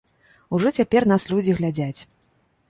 Ужо цяпер нас людзі глядзяць.